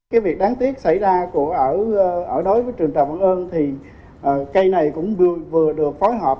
cái việc đáng tiếc xảy ra ở đối với trường trạm vận ơn thì cây này cũng vừa được phối hợp